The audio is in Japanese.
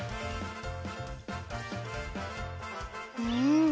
うん。